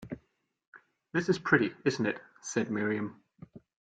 “This is pretty, isn’t it?” said Miriam.